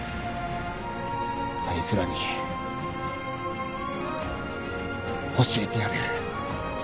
あいつらに教えてやる。